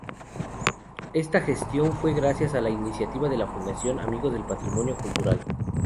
Esta gestión fue gracias a la iniciativa de la Fundación Amigos del Patrimonio Cultural.